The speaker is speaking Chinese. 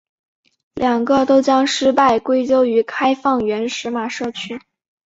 两个都将失败归咎于开放原始码社群。